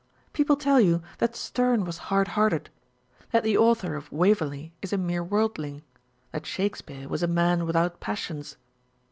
People tell you that Sterne was hard hearted ; l that the Author of Waverley is a mere worldling ; that Shake speare was a man without passions.